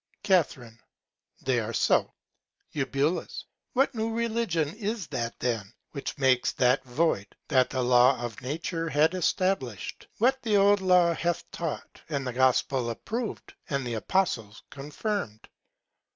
Ca. They are so. Eu. What new Religion is that then, which makes that void, that the Law of Nature had establish'd? What the old Law hath taught, and the Gospel approv'd, and the Apostles confirm'd?